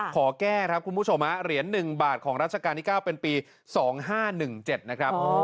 ขอแก้ครับคุณผู้ชมเหรียญ๑บาทของราชการที่๙เป็นปี๒๕๑๗นะครับ